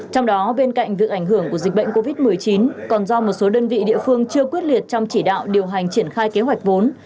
trong đó bên cạnh việc ảnh hưởng của dịch bệnh covid một mươi chín còn do một số đơn vị địa phương chưa quyết liệt trong chỉ đạo điều hành triển khai kế hoạch vốn